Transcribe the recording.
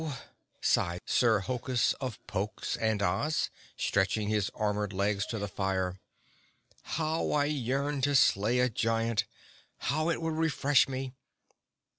sighed Sir Hokus of Pokes and Oz, stretching his armored legs to the fire. "How I yearn to slay a giant! How it would refresh me!